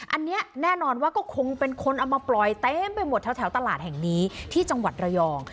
อันนี้แน่นอนว่าก็คงเป็นคนเอามาปล่อยเต็มไปหมดแถวตลาดแห่งนี้ที่จังหวัดระยอง